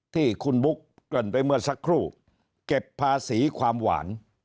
ที่คุณบุ๊คเกริ่นไปเมื่อสักครู่เก็บภาษีความหวาน